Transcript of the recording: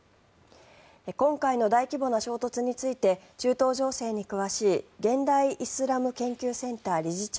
今回の大規模な衝突について中東情勢に詳しい現代イスラム研究センター理事長